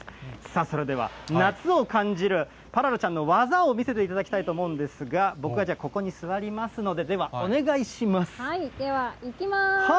それでは夏を感じるパララちゃんの技を見せていただきたいと思うんですが、僕がじゃあ、ここに座ではいきます。